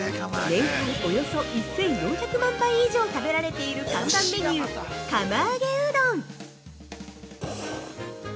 ◆年間およそ１４００万杯以上食べられている看板メニュー釜揚げうどん。